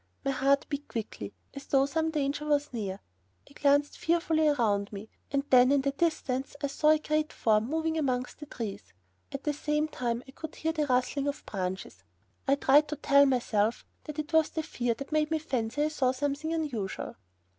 My heart beat quickly, as though some danger was near. I glanced fearfully around me, and then in the distance I saw a great form moving amongst the trees. At the same time I could hear the rustling of branches. I tried to tell myself that it was fear that made me fancy I saw something unusual.